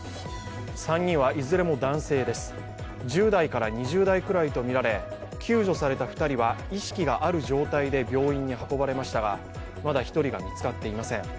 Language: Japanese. ３人はいずれも男性です、１０代から２０代くらいとみられ救助された２人は意識がある状態で病院に運ばれましたがまだ１人が見つかっていません。